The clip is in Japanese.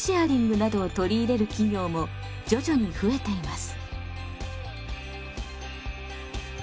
またなどを取り入れる企業も徐々に増えています。